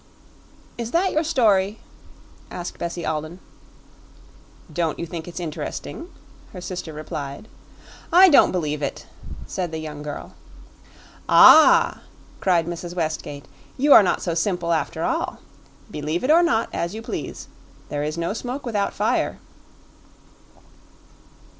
"Is that your story?" asked Bessie Alden. "Don't you think it's interesting?" her sister replied. "I don't believe it," said the young girl. "Ah," cried Mrs. Westgate, "you are not so simple after all! Believe it or not, as you please; there is no smoke without fire."